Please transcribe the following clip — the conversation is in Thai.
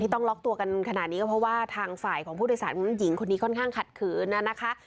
ต้องล็อกตัวกันขนาดนี้ก็เพราะว่าทางฝ่ายของผู้โดยสารหญิงคนนี้ค่อนข้างขัดขืนนะคะ